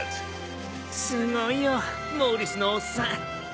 すごいよモーリスのおっさん。